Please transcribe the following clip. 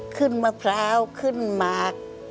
ขึ้นมะพร้าวขึ้นหมา